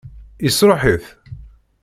Yesṛuḥ-it?